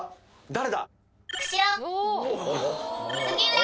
誰だ？＃